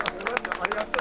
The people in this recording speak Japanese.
ありがとう。